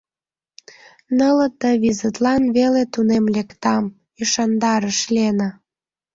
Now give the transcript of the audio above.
— Нылыт да визытлан веле тунем лектам! — ӱшандарыш Лена.